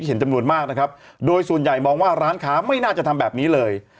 เห็นจำนวนมากนะครับโดยส่วนใหญ่มองว่าร้านค้าไม่น่าจะทำแบบนี้เลย